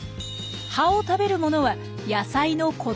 葉を食べるものは野菜の子ども時代。